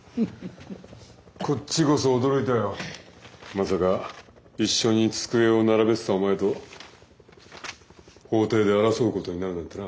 まさか一緒に机を並べてたお前と法廷で争うことになるなんてな。